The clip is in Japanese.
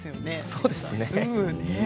そうですね。